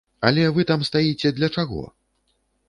Але вы там стаіце для чаго?